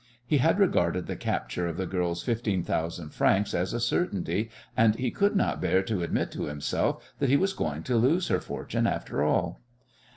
He had regarded the capture of the girl's fifteen thousand francs as a certainty, and he could not bear to admit to himself that he was going to lose her fortune after all.